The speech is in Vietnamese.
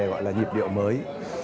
gọi là nhịp điệu mới